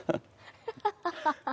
ハハハハ！